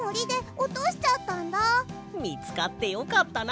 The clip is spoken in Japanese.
みつかってよかったな！